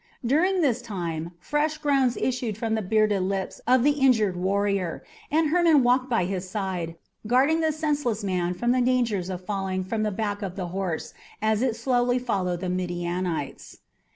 During this time fresh groans issued from the bearded lips of the injured warrior, and Hermon walked by his side, guarding the senseless man from the danger of falling from the back of the horse as it slowly followed the Midianite's.